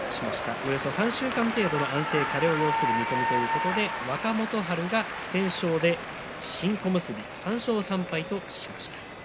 およそ３週間程度の安静加療を要する見込みということで若元春が不戦勝で新小結３勝３敗としました。